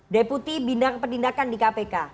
deputi bidang penindakan di kpk